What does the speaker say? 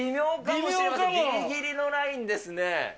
ぎりぎりのラインですね。